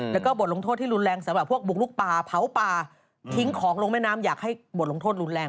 แล้วก็บทลงโทษที่รุนแรงสำหรับพวกบุกลุกป่าเผาป่าทิ้งของลงแม่น้ำอยากให้บทลงโทษรุนแรง